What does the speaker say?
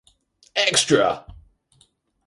Extra!